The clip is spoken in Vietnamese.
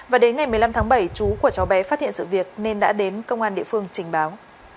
và đến ngày một mươi năm tháng bảy chú của cháu bé phát hiện sự việc nên đã đến công an địa phương trình báo